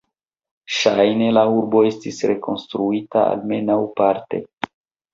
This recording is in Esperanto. Ŝajne la urbo estis rekonstruita, almenaŭ parte.